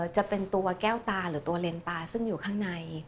จะเป็นตัวแก้วตาหรือตัวเลนตาซึ่งอยู่ข้างใน